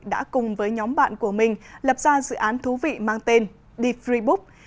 đã cùng với nhóm bạn của mình lập ra dự án thú vị mang tên the free book